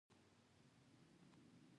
د ښار د ننه منظره تل د بدلون په حال کې وه.